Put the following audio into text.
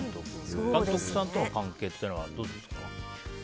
監督さんとの関係はどうですか？